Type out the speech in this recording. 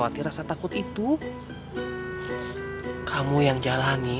karena kita tidak dari satu hingga tiga hari